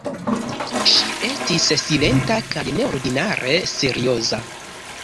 Ŝi estis silenta kaj neordinare serioza.